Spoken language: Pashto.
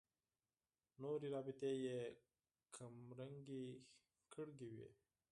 نورې رابطې یې کمرنګې کړې وي.